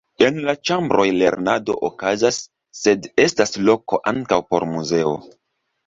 En la ĉambroj lernado okazas, sed estas loko ankaŭ por muzeo.